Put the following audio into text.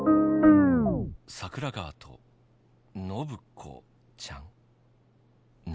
桜川とのぶ子ちゃん？何？